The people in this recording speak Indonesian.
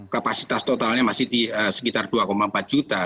kapasitas totalnya masih di sekitar dua empat juta